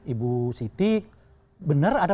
ibu siti benar ada